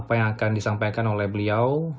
apa yang akan disampaikan oleh beliau